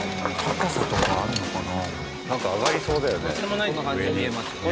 高さとかあるのかな？なんか上がりそうだよね上に。